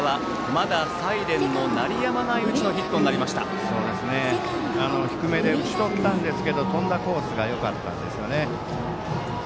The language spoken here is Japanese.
まだサイレンの鳴りやまない間の低めで打ち取ったんですが飛んだコースがよかったんですね。